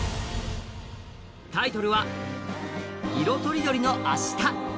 タイトルは「いろとりどりのあした」。